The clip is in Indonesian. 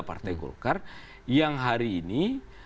partai golkar yang hari ini